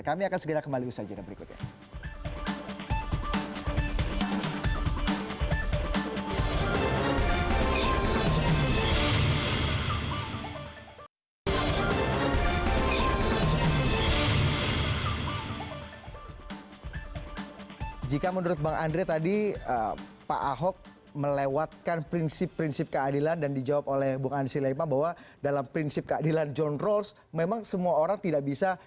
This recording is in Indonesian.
kami akan segera kembali ke usaha jenis berikutnya